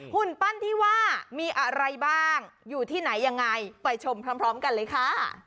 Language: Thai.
หุ่นปั้นที่ว่ามีอะไรบ้างอยู่ที่ไหนยังไงไปชมพร้อมกันเลยค่ะ